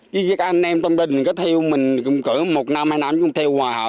cái các anh em tâm linh có theo mình cũng cỡ một năm hai năm cũng theo hoài họ